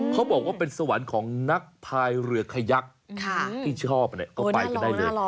เขาบอกว่าเป็นสวรรค์ของนักพายเรือขยักที่ชอบก็ไปกันได้เลย